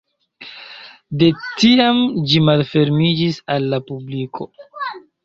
De tiam ĝi malfermiĝis al la publiko.